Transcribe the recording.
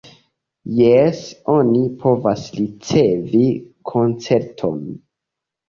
Jes, oni povas ricevi koncerton.